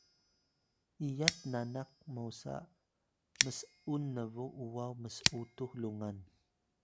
iyat nanak mosa ms’un nbuw uwaw ms’utux lungan